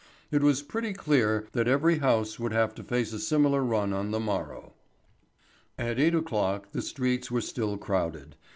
It was pretty clear that every house would have to face a similar run on the morrow. At eight o'clock the streets were still crowded.